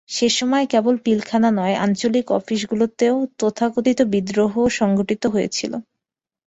সে সময় কেবল পিলখানা নয়, আঞ্চলিক অফিসগুলোতে তথাকথিত বিদ্রোহ সংঘটিত হয়েছিল।